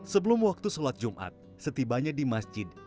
sebelum waktu sholat jumat setibanya di masjid